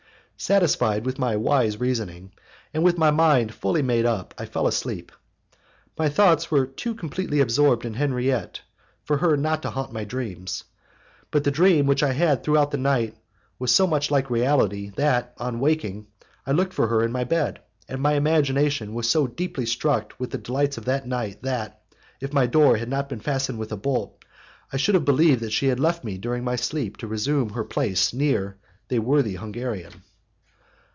Satisfied with my wise reasoning, and with my mind fully made up, I fell asleep. My thoughts were too completely absorbed by Henriette for her not to haunt my dreams, but the dream which I had throughout the night was so much like reality that, on awaking, I looked for her in my bed, and my imagination was so deeply struck with the delights of that night that, if my door had not been fastened with a bolt, I should have believed that she had left me during my sleep to resume her place near the worthy Hungarian.